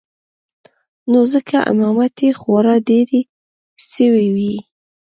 نو ځکه امامتې خورا ډېرې سوې وې.